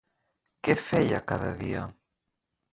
Què feia cada dia?